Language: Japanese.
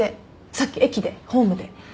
さっき駅でホームで。